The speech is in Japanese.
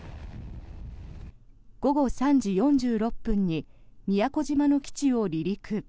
午後３時４６分に宮古島の基地を離陸。